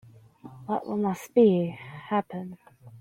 Let what must be, happen.